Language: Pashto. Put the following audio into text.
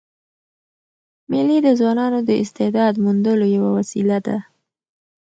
مېلې د ځوانانو د استعداد موندلو یوه وسیله ده.